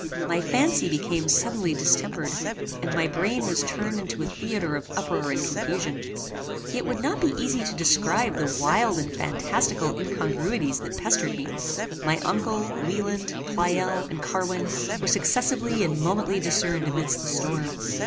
My fancy became suddenly distempered, and my brain was turned into a theatre of uproar and confusion. It would not be easy to describe the wild and phantastical incongruities that pestered me. My uncle, Wieland, Pleyel and Carwin were successively and momently discerned amidst the storm.